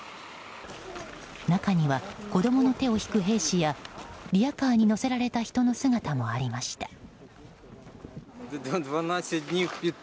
中には子供の手を引く兵士やリヤカーに乗せられた人の姿もありました。